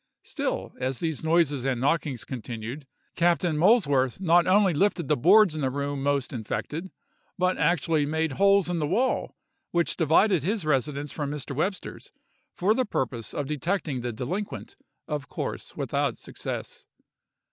Still, as these noises and knockings continued, Captain Molesworth not only lifted the boards in the room most infected, but actually made holes in the wall which divided his residence from Mr. Webster's, for the purpose of detecting the delinquent—of course without success.